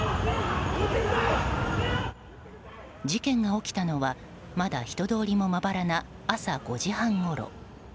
事件が起きたのはまだ人通りもまばらな朝５時半ごろ。